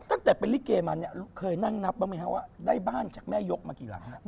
ตั้งแต่เป็นลิเกมาเนี่ยเคยนั่งนับบ้างไหมครับว่าได้บ้านจากแม่ยกมากี่หลัง